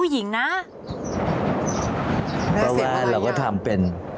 แต่ว่าเราก็ทำเป็น